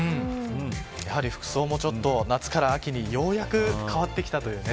やはり服装もちょっと夏から秋にようやく変わってきたというね。